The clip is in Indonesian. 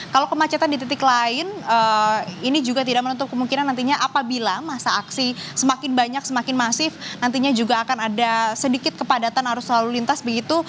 kalau kemacetan di titik lain ini juga tidak menutup kemungkinan nantinya apabila masa aksi semakin banyak semakin masif nantinya juga akan ada sedikit kepadatan arus lalu lintas begitu